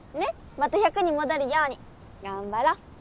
また１００に戻るように頑張ろ！